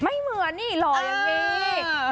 ไม่เหมือนนี่หล่ออย่างนี้